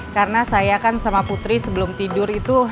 karena saya kan sama putri sebelum tidur itu